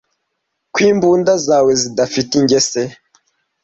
ko imbunda zawe zidafite ingese